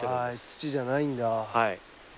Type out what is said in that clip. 土じゃないんだ。